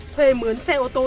thuê mướn xe ô tô